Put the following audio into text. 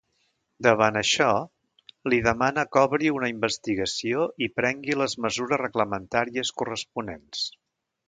Davant això, li demana que obri una investigació i prengui les mesures reglamentàries corresponents.